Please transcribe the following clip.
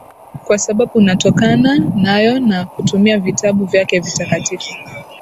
kwa sababu unatokana nayo na kutumia vitabu vyake vitakatifu